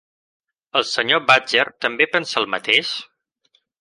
El Sr. Badger també pensa el mateix?